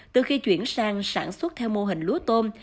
từ khi chuyển sang sản xuất theo mô hình lúa tôm